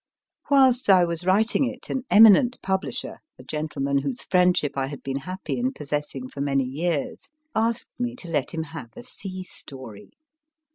Whilst I was writing it an eminent publisher, a gentleman whose friendship I had been happy in possessing for many years, asked me to let him have a sea story.